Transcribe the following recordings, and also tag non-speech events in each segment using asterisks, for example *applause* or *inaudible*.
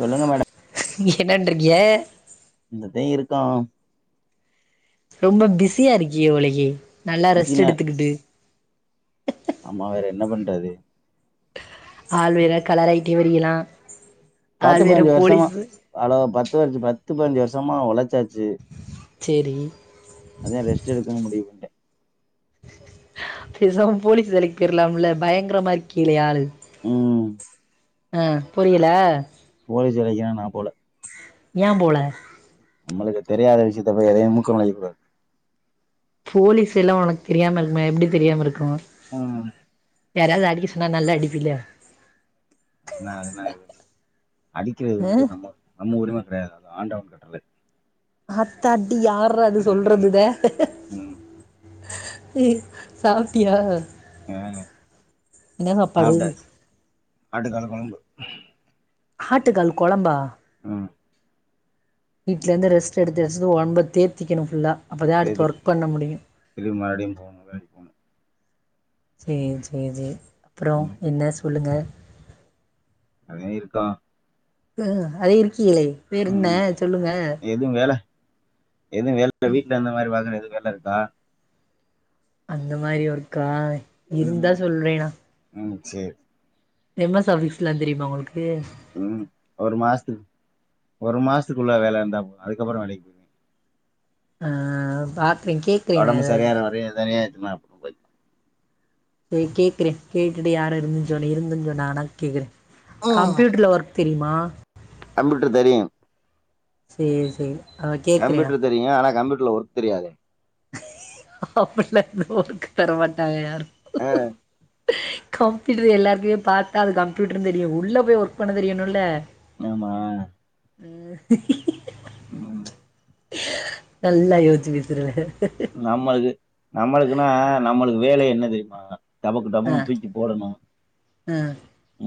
சொல்லுங்க மேடம் என்ன வண்றீங்க இந்ததே இருக்கோ ரொம்ப பிஸியா இருக்கிய போலயே நல்லா ரெஸ்ட் பிஸினு எடுத்துக்கிட்டு ஆமா வேற என்ன பண்றது ஆள் வேற கலராயிட்டே வரியலா பத்து பதுனஞ்சு வர்ஷமா அழகா பத்து வருச பத்து பதினஞ்சு வர்ஷமா ஒழச்சாச்சு சேரி அதா ரெஸ்ட் எடுக்கணுன் முடிவு பண்ட்டே பேசாம போலீஸ் வேலைக்கு போய்ற்லாம்ல பயங்கரமா இருக்கியளே ஆளு ம் ஆ புரியல போலீஸ் வேலைக்குலா நா போல ஏ போலா நம்மளுக்கு தெரியாத விஷ்யத்த போய் எதையு மூக்க நொளைக்க கூடாது போலீஸ் வேல ஒனக்கு தெரியாம இருக்குமா எப்டி தெரியாம இருக்கு ஆமா யாரையாது அடிக்க சொன்னா நல்லா அடிப்பில என்னா என்ன யோச்சு அடிக்கிறது வந்து ம் நம்ம நம்ம உரிம கெடையாது அது ஆண்டவன் கட்டளை ஆத்தாடி யார்ரா அது சொல்றது ம் இத ம் ம் சாப்டியா ஆ என்ன சாப்பாடு சாப்ட்டாச்சு ஆட்டுக்கால் கொழம்பு ஆட்டு கால் கொழம்பா ம் வீ்ட்லருந்து ரெஸ்ட் எடுத்து ரெஸ்ட்டு ஒடம்ப தேத்திக்கணு ஃபுல்லா அப்பதா அடுத்து தேத்திட்டு ஒர்க் பண்ண முடியு திரும்பி மறுபடியு போணு வேலைக்கு போணு சேரி சேரி சே அப்றோ ம் என்ன சொல்லுங்க அதே இருக்கோ ம் அதே இருக்கியே வேறென்ன சொல்லுங்க எது வேல எது வேல வீட்ல இந்த மாரி பாக்குற எது வேல இருக்கா அந்த மாரி ஒர்க்கா ம் இருந்தா சொல்றே நா ம் சேர் எம் எஸ் ஆஃபிஸ்லா தெரியுமா ஒங்களுக்கு ம் ஒரு மாசத்துக்கு ஒரு மாசத்துக்குள்ள வேல இருந்தா போது அதுக்கப்பறோ வேலைக்கு போய் அ அ அ பாக்றே கேக் ஒடம்பு சரியாகுர வரையு தனியா ஏத்தும போய் கேக்குறே கேட்டுட்டு யாரு இருந்துன் சொன்னா இருந்துன் சொன்னாகனா கேக்குறே கம்பூயூட்டர்ல ஒர்க் தெரியுமா கம்ப்யூட்ரு தெரியு சேரி சேரி அதா கேக்குறே நா தெரியுங்க ஆனா கம்ப்யூட்டர்ல ஒர்க் தெரியாதே அப்டில்லா இருந்தா ஒர்க்கு தரமாட்டாங்க யாரு அ கம்ப்யூட்ரு எல்லாருக்குமே பாத்தா அது கம்ப்யூட்ருன் தெரியு உள்ள போய் ஒர்க் பண்ண தெரியணுல்ல ஆமா ம். நல்லா யோச்சி வித்ருவ நம்ம இது நம்மளுக்குனா நம்மளுக்கு வேலயே என்ன தெரியுமா டபக்கு ஆ டபக்குனு தூக்கி போடணு ஆ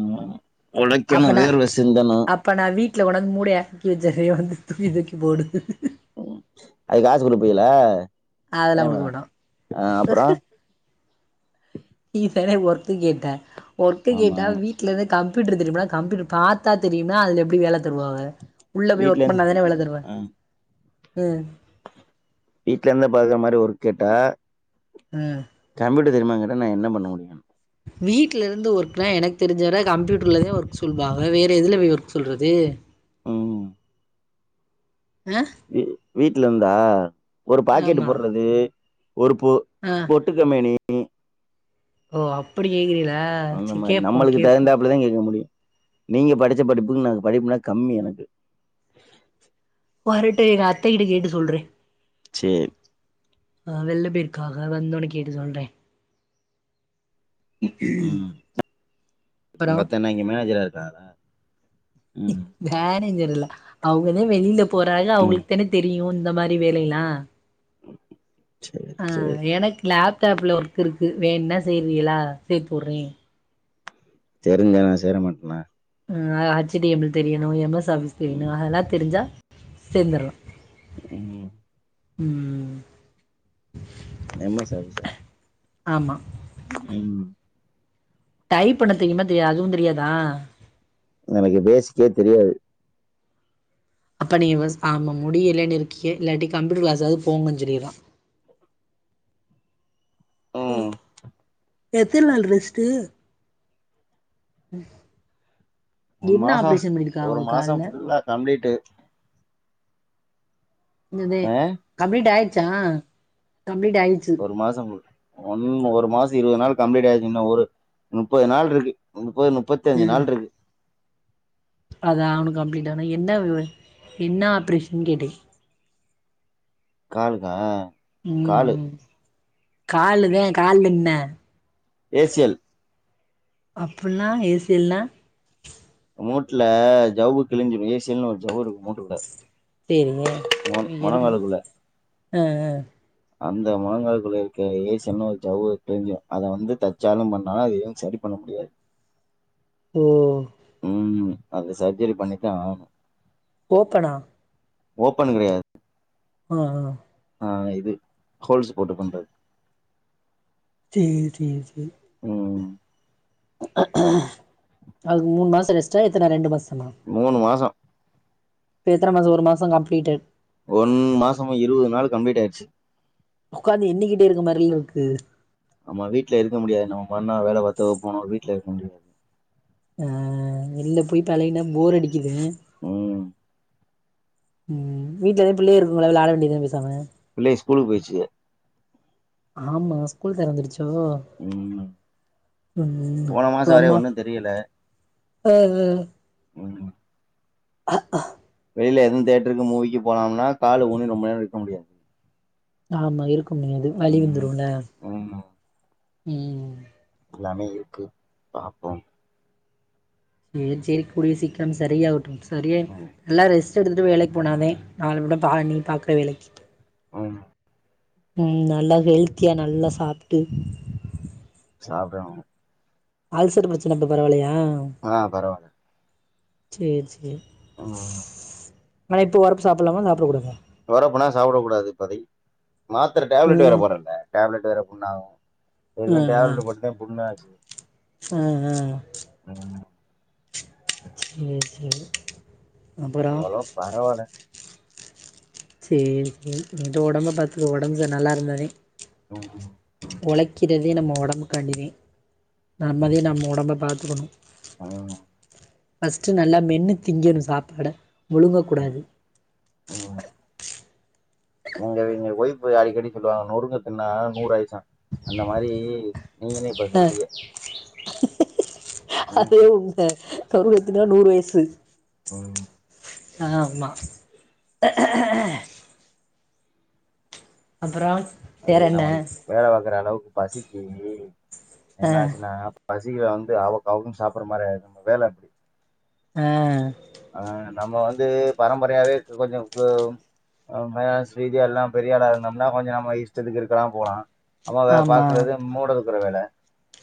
ம் ஒழைக்கணு வேர்வ சிந்தனு இப்ப நா வீட்ல கொண்டாந்து மூடய எறக்கி வச்சர்ரே வந்து தூக்கி தூக்கி போடு ம் அதுக்கு காசு குடுபிகளா அதெல்லா ஏ மா குடுக்க மாட்டோ அ அப்பறோ நீதான ஒர்க்கு கேட்ட ஒர்க்கு ஆமா கேட்டா வீட் வீட்ல இருந்து கம்ப்யூட்ரு தெரியுமானா கம்ப்யூட்ரு பாத்தா தெரியும்னா அதுல எப்டி வேல தருவாங்க உள்ள போயி வீட்ல ஒர்க் இருந்து பண்ணாதானே வேல தருவாக ஆ ம் வீட்ல இருந்தே பாக்குற மாரி ஒர்க் கேட்ட ம் கம்ப்யூட்ரு தெரியுமான் கேட்டா நா என்ன பண்ண முடியு வீட்ல இருந்து ஒர்க்னா எனக்கு தெரிஞ்சவற கம்யூட்ருலதே ஒர்க் சொல்வாக வேற எதுல போய் ஒர்க் சொல்றது ம் அ வீ வீட்ல இருந்தா ஒரு பாக்கெட்டு போட்றது ஒரு பொ அ பொட்டு கம்பெனி ஓ அப்டி கேக்குறீகளா அந்த செரி மாரி கேப்போ நம்மளுக்கு கேப்போ தகுந்தாப்புலதே கேக்க முடியு நீங்க படுச்ச படிப்புக்கு நாங்க படிப்புனா கம்மி எனக்கு வரட்டு எங்க அத்தகிட்ட கேட்டு சொல்றே சேர் ஆ வெள்ல போய்ருகாக வந்தோனே கேட்டு சொல்றே ம் அப்பறோ உங்கத்த என்ன இங்க மேனேஜரா இருக்காகளா ம் மேனேஜர் இல்ல அவுகதே வெளில போறாக ம் அவுகளுக்கு தான தெரியு இந்த மாரி வேலேல்லா சேரி ஆ சேரி எனக்கு லேப்டாப்புல ஒர்க் இருக்கு வேணுனா செய்றீகளா சேத்து வுற்றே தெருஞ்சா நா சேர மாட்டனா அ ஹச் டி எம் எல் தெரியணு எம் எஸ் ஆஃபிஸ் தெரியணு ம் அதல்லா தெருஞ்சா சேந்தர்லா ம் ம் ம் ம் எம் எஸ் ஆஃபீஸா ஆமா ம் டைப் பண்ண தெரியுமா தெரியாதா அதுவு தெரியாதா எனக்கு பேசிக்கே தெரியாது அப்போ நீங்க ஆம முடிய இல்லைன்னுறக்க இல்லாட்டி கம்ப்யூட்டர் கிளாஸாவது போங்கன்னு சொல்லிறல ம் எத்தினி நாள் ரெஸ்ட்டு என்ன ஆப்ரேஷன் பண்ணிருக்கா உங்க கால்ல ல்ல கம்ப்ளீட்டு் ஞ்சந்தே ஆ கம்ப்ளீட் ஆயிடுச்சா கம்ப்ளீட் ஆய் டுச்சு ஒரு மாசம் ஒன் ஒரு மாசம் இருபது நாள் கம்ப்ளீட் ஆய்ச்சுன்னா ஒரு நுப்பது நாள் இருக்கு நுப்பது நுப்பத்தஞ்சு நாள் இருக்கு அது அவனு கம்ப்ளீட் ஆனா என்ன வி என்ன ஆப்ரேஷன் கேட்டே காலுகா ம் ம் காலுத கால்ல என்ன ஏசியல் அப்ன்னா ஏசியல்னா மூட்ல ஜவ்வு கிழுஞ்சு ஏசியல்னு ஒரு ஜவ்வு இருக்கு மூட்டு கூட செரிங்க எறும்பு அ அ அந்த முழங்கால் குள்ள இருக்க ஏசியன்னு ஒரு ஜவ்வு கிழிஞ்சுரூ அத வந்து தைச்சாலு பண்லா அது எதுவு சரி பண்ண முடியாது ஓ ம் அது சர்ஜரி பண்ணிதா ஆவனு ஓப்பனா ஓப்பனு கிடயாது அ அ ஆ இது ஹோல்ஸ் போட்டு பண்றது சேரி சேரி சேரி ம் அதுக்கு மூணு மாச ரெஸ்ட்டா இல்ல ரெண்டு மாசமா மூணு மாசம் இப்ப எத்தன மாசோ ஒரு மாசோ கம்ப்ளீட்டு் ஒன் மாசமா இருபது நாள் கம்ப்ளீட் ஆய்டுச்சு உக்காந்து எண்ணிக்கிட்டே இருக்க மாரில இருக்கு ஆமா வீட்ல இருக்க முடியாது நம்ம பண்ணா வேல பாத்தவ போனா வீட்ல இருக்க முடியாது அ வெளில போய் பழகினா போர் அடிக்குது ம் ம் வீட்லதே பிள்ளைக இருக்குங்கள வெளாட வேண்டியதான பேசாம பிள்ளைக ஸ்கூலுக்கு போய்ருச்சுக ஆமா ஸ்கூல் தெறந்துருச்சோ ம். ம் போன இப்போ மாசம் வர அம்மா ஒன்னும் தெரியல. அது ம் அ ஆ வெளில எது தேட்டருக்கு மூவிக்கு போனம்னா கால ஊணி ரொம்ப நேர இருக்க முடியாது ஆமா இருக்க முடியாது வலி ம். வந்துருல ம். ம் எல்லாமே இருக்கு பாப்போ ஏஜ் இருக்கக்கூடிய சீக்கிரமே சரியாகட்டும் சரிய ம். நல்லா ரெஸ் ட் எடுத்துட்டு போய் வேலைக்கு போனாதே நாளப்பின்ன நீ பாக்கற வேலைக்கி ஆமா ம் நல்லா ஹெல்த்தியா நல்லா சாப்ட்டு சாப்டே ஆவனு அல்சர் பிரச்சன இப்ப பரவாலயா ஆ பரவால்ல சேர் சேரி ஆ ஆன இப்ப ஒரப்பு சாப்ட்லாமா சாப்டக்கூடாதா ஒரப்புலா சாப்ட கூடாது இப்பதக்கி மாத்திர டேப்லெட் வேற ம் போட்றல டேப்லெட் வேற புண்ணாவு இது டேப்லெட் போட்டுதே புண்ணாச்சி அ அ அ சேர் சேரி அப்பறோ அவுலதா சேர் சேரி நீ போ உடம்ப பாத்துக்கோ உடம்புக்கு நல்லா இருந்தாதே *unintelligible* வொழைக்கிறதே நம்ம உடம்பு காண்டிதே நம்பதே நம்ம உடம்ப பாத்துக்கணு ஆமா பர்ஸ்ட்டு நல்லா மென்னு திங்கணு சாப்பாட முழுங்க ம். கூடாது ம் இங்க எங்க ஒய்பு அடிக்கடி சொல்லுவாங்க நொறுங்க தின்னா நூறு ஆயிசா அந்த மாரி ஹ அது ம், உண்ம தரு எத்தனா நூறு வயசு ம் ஆம்மா அப்பறோ அது நம்மளுக்கு வேலைபாக்குற அளவுக்கு பசிக்கி ஆ என்ன ஆச்சுன்னா பசிக்கு வந்து அவக்கு அவக்குனு சாப்புற மாரிஆய்ரு நம்ம வேல அப்டி அ ஆ நம்ம வந்து பரம்பரயாவே கொஞ்ச ம் ஹ ஸ்ரீதீ எல்லா பெரியளா இருந்தோனா கொஞ்ச நம்ம இஷ்டத்துக்கு இருக்கலா போலா அவ் அவ பாக்குறது மூடதூக்குற வேல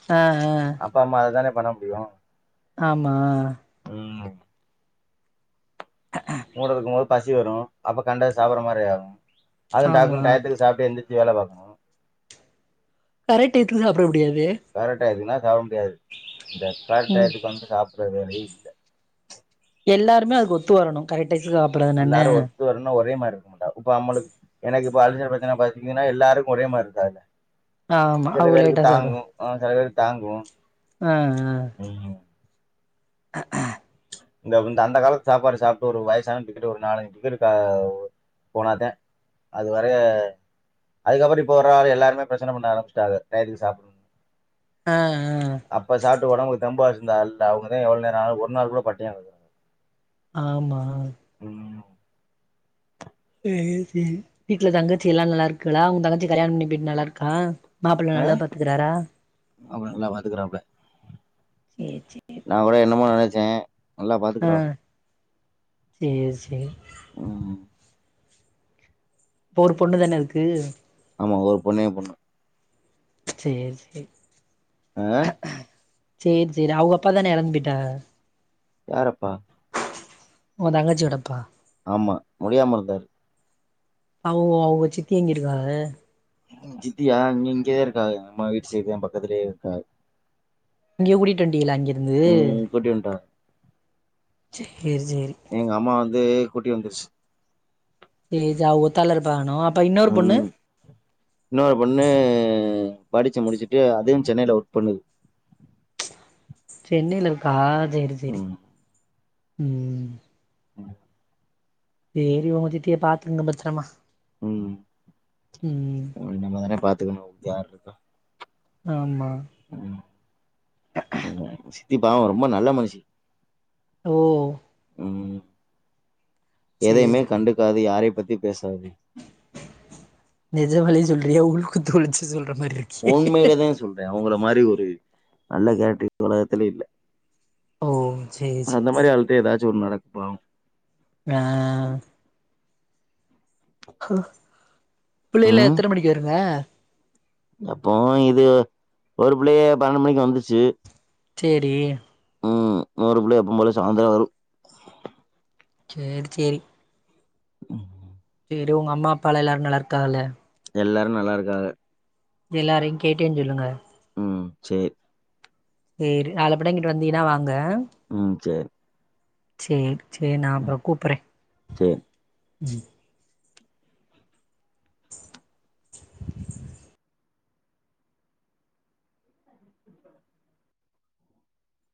அ அ அப்பா அம்மா அத தான பண்ண முடியு ஆமா ம் மூட தூக்கும் போது பசி வரும் அப்ப கண்டது சாப்பற மாரி ஆகும் அது டக்குன் ஆமா டயத்துக்கு சாப்டு எந்திரச்சி வேல பாக்கணு கரெக் டைத்துக்கு சாப்புட முடியாது கரெக்ட் டையித்துக்குன்னா சாப்ப முடியாது இந்த ம் கரெக்ட்டையத்துக்கு வந்து சாப்ட மாரி எல்லாருமே அதுக்கு ஒத்து வரணு கரட்டு டயத்துக்கு சாப் எல்லாரு ஒத்து வரணு ஒரே மாரி இருக்க மாட்டா இப்ப நம்மளுக் எனக்கு இப்ப அல்சர் பிரச்சன பாத்தீங்கன்னா எல்லாருக்கு ஒரேமாரி இருக்காது ஆமா சில அவங்க பேருக்கு லேட்டா தாங்கு ஆஹ சில பேர்க் தாங்கு ஹ ஹ *inaudible* அஹ இந்த இந்த அந்த காலத்து சாப்பாடு சாப்புட்டு ஒரு வயசான டிக்கெட்டு ஒரு நாலஞ்சு டிக்கெட் க ஒ போனாதா அது வரய அதுக்கப்றோ இப்ப வர ஆளு எல்லாருமே பிரச்சன பண்ண ஆரம்பிச்சாடாங்க டயத்துக்கு சாப்புட்ணுன்னு ஆ ஆ அப்ப சாப்புட்டு ஒடம்ப தேம்பா வெச்சிருந்த ஆள்டா அவுங்களே டா எவ்வள் நேரோ அனாலு ஒரு நாள் கூட பட்டியாக் கெடக்றாங்க ஆமா ம் வீட்ல தங்கச்சில்லா நல்லா இருக்காலா உங்க தங்கச்சி கல்யாணம் பண்ணி போட்டு நல்லா இருக்கா மாப்ள ஆ நல்லா பாத்துக்குறாரா அப்ப நல்லா பாத்துக்கறாப்புல சேர் சேரி நா கூட என்னமோ நெனைச்சே ஆ சேரி சேரி ம் இப்ப ஓர் பொண்ணு தானே இதுக்கு ஆமா ஒரு பொண்ணே எயா பொண்ணு சேர் சேரி அ சேர் சேரி அவுங்க அப்பா தானே எறந்து பேயிட்டாக யார் அப்பா ஓ தங்கச்சியோட அப்பா ஆமா முடியாம இருந்தாரு அவுக அவுங்க சித்தி எங்கிருக்காக ம் சித்தியா இங்க இங்கே இருக்காக நம்ம வீட்டு சைடு தா பக்கத்துலேயே இருக்காக இங்க கூட்டிட்டு வண்டிங்களா அங்கிருந்து ம் கூட்டி வந்ன்டாக சேரி சேரி எங்க அம்மா வந்து கூட்டி வந்துருச்சு சேரி ஜ அவுங்க ஒத்தாலா இருப்பாங்னோ ம் இன்னொரு பொண்ணு படிச்சு முடிச்சிட்டு அதுவும் சென்னையில ஒர்க் பண்ணுது சென்னையில இருக்கா சேரி சேரி ம் ம் ம் சேரி உங்க சித்திய பாத்துக்கோங்க பத்திரமா ம் ம் நம்ம தானே பாத்துக்கணு அவுங்ளுக் யார் இருக்க ஆமா ம் ஆமா ஆமா எயாசித்தி பாவோ ரொம்ப நல்ல மனுஷி ஓ ம் சேரி எதையுமே சேரி கண்டுக்காது யார பத்தியு பேசாது நிஜமாலியே சொல்றியா உள் குத்துஒழிச்சு சொல்ற மாரி இருக் உண்மையிலேதா சொல்றே அவுங்கள மாரி ஒரு நல்ல கேரக்டர் இந்த உலகத்திலே இல்ல ஓ சேரி சேரி எப்பயு ஏதாச்சு ஒன்னு நடக்கு பாவோ ஆ புள்ளைகள்லா எத்தன மணிக்கு வருங்க எப்போவு இது ஒரு பிள்ளய பன்னென்டு மணிக்கு வந்துச்சு சேரி இன்னொரு புள்ள எப்போவு போல சாய்ந்தரோ வரு சேர் சேரி ம் சேரி ஒங்க அம்மா அப்பால எல்லாரு நல்லாருக்காகள எல்லாரு நல்லாருக்காக எல்லார்யு கேட்டேன் சொல்லுங்க ம் சேர் சேரி நாள பின்ன இங்கிட்டு வந்தீங்ன்னா வாங்க ம் சேரி சேர் சேர் நா அப்பறோ கூப்புறே சேரி